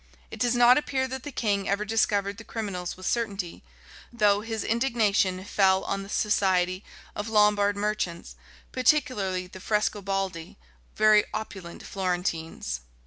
It does not appear that the king ever discovered the criminals with certainty, though his indignation fell on the society of Lombard merchants, particularly the Frescobaldi, very opulent Florentines.